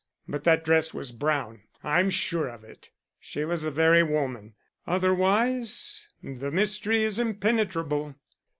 But that dress was brown; I'm sure of it. She was the very woman. Otherwise the mystery is impenetrable.